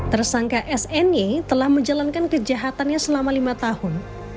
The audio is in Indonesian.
tersangka sny telah menjalankan kejahatannya selama lima tahun